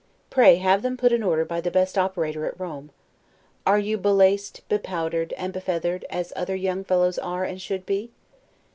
Pray have them put in order by the best operator at Rome. Are you be laced, bepowdered, and be feathered, as other young fellows are, and should be?